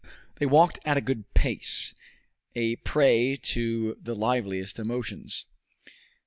They walked at a good pace, a prey to the liveliest emotions.